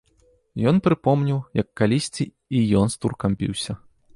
Ён прыпомніў, як калісьці і ён з туркам біўся.